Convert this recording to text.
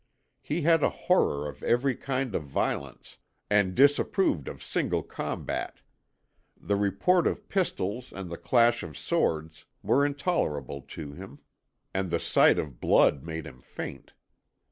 He had a horror of every kind of violence and disapproved of single combat. The report of pistols and the clash of swords were intolerable to him, and the sight of blood made him faint.